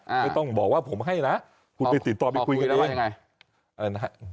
ไม่ต้องบอกว่าผมให้นะคุณไปติดต่อไปคุยกันเอง